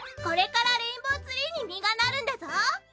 これからレインボーツリーに実がなるんだぞ！